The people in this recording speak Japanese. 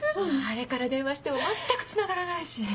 あれから電話しても全くつながらないし。